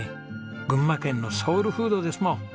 群馬県のソウルフードですもん。